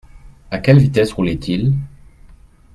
À quelle vitesse roulait-il ?